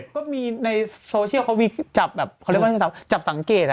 ก็มีในโซเชียลเขามีจับสังเกต